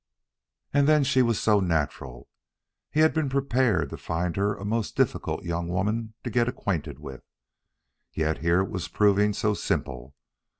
And then she was so natural. He had been prepared to find her a most difficult young woman to get acquainted with. Yet here it was proving so simple.